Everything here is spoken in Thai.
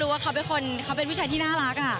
ว่าเขาเป็นผู้ชายที่น่ารัก